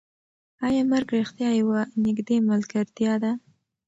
ایا مرګ رښتیا یوه نږدې ملګرتیا ده؟